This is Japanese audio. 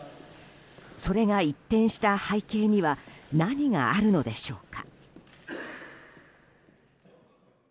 それが一転した背景には何があるのでしょうか。